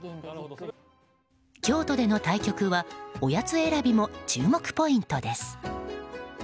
京都での対局はおやつ選びも注目ポイントです。